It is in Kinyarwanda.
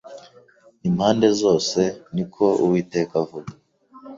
impande zose Ni ko Uwiteka avuga